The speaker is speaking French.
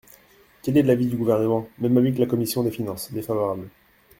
Quel est l’avis du Gouvernement ? Même avis que la commission des finances : défavorable.